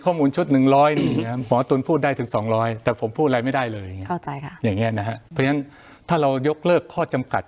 พ่อตูนพูดได้ถึงสองร้อยแต่ผมพูดอะไรไม่ได้เลยเข้าใจค่ะอย่างแหงเลยฮะเพราะนั้น